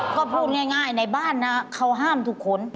ก็พูดง่ายในบ้านนะเขาห้ามทุกคน